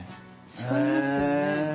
違いますよね。